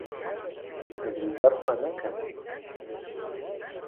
Ez li ber xwe neketime.